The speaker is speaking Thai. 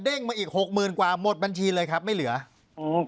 มาอีกหกหมื่นกว่าหมดบัญชีเลยครับไม่เหลือโอ้